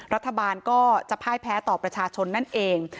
รัฐบาลก็จะพ่ายแพ้ต่อประชาชนนั่นเอง